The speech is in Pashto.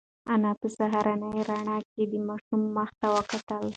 انا په سهارنۍ رڼا کې د ماشوم مخ ته وکتل.